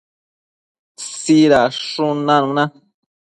tsidadshun nanuna